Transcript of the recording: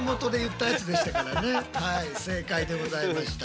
正解でございました。